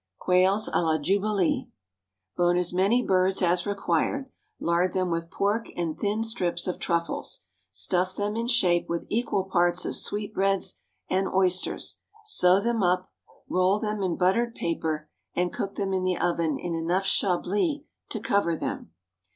Quails à la Jubilee. Bone as many birds as required. Lard them with pork and thin strips of truffles. Stuff them in shape with equal parts of sweetbreads and oysters, sew them up; roll them in buttered paper, and cook in the oven in enough Chablis to cover them.